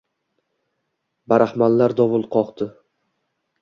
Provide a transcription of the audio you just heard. Barahmanlar dovul qokdi